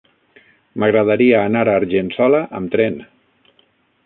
M'agradaria anar a Argençola amb tren.